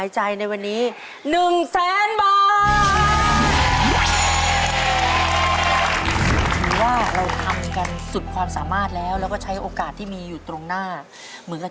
จัดพงชัยหรือ